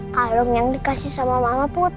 kalung yang dikasih sama mama put